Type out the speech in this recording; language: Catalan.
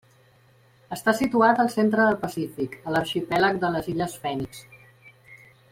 Està situat al centre del Pacífic, a l'arxipèlag de les illes Fènix.